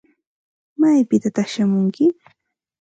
¿Maypitataq shamunki?